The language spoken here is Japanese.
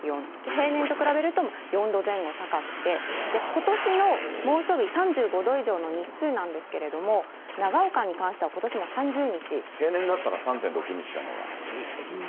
平年と比べると４度前後高くて、ことしの猛暑日３５度以上の日数なんですけれども、平年だったら３．６日なのが。